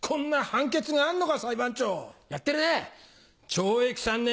懲役３年